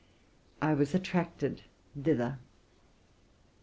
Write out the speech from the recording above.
| was attracted thither.